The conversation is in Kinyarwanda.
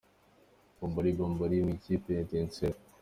Bombori bombori mu ikipe ya Etenseri